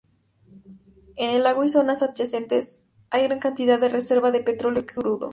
En el lago y zonas adyacentes hay gran cantidad de reservas de petróleo crudo.